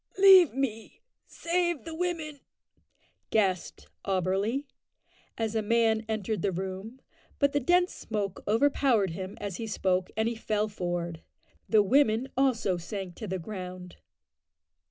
"Leave me; save the women," gasped Auberly, as a man entered the room, but the dense smoke overpowered him as he spoke, and he fell forward. The women also sank to the ground.